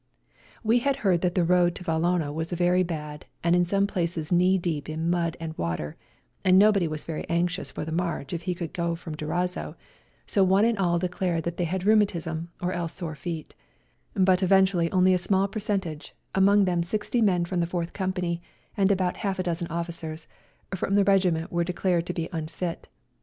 We had heard that the road to Vallona was very bad, and in some places knee deep in mud and water, and nobody was very anxious for the march if he could 196 WE GO TO CORFU go from Durazzo, so one and all declared that they had rheumatism or else sore feet; but eventually only a small percentage, among them sixty men from the Fourth Company, and about half a dozen officers, from the regiment were declared to be unfit.